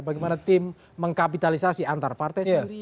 bagaimana tim mengkapitalisasi antar partai sendiri